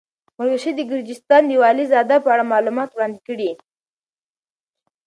مرعشي د ګرجستان د والي زاده په اړه معلومات وړاندې کړي.